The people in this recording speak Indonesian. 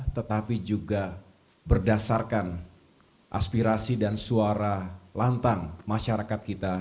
tetapi juga berdasarkan aspirasi dan suara lantang masyarakat kita